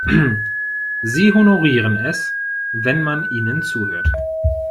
Sie honorieren es, wenn man ihnen zuhört.